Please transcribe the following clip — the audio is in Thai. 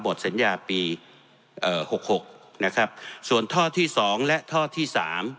สัญญาปีเอ่อหกหกนะครับส่วนท่อที่สองและท่อที่สาม